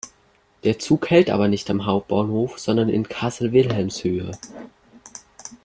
Der Zug hält aber nicht am Hauptbahnhof, sondern in Kassel-Wilhelmshöhe.